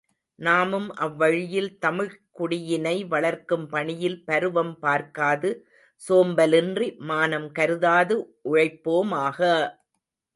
நாமும் அவ்வழியில் தமிழ்க் குடியினை வளர்க்கும் பணியில் பருவம் பார்க்காது, சோம்பலின்றி, மானம் கருதாது உழைப்போமாக!